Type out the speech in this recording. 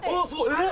えっ？